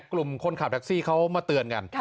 กลุ่มคนขับแท็กซี่เขามาเตือนกัน